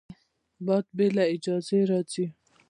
باد بې له اجازې راځي